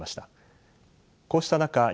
こうした中